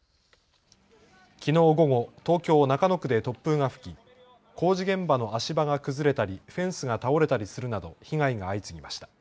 きのう午後、東京中野区で突風が吹き、工事現場の足場が崩れたりフェンスが倒れたりするなど被害が相次ぎました。